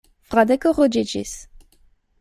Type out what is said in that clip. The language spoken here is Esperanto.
Fradeko ruĝiĝis.